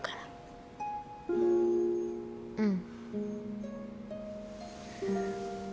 うん。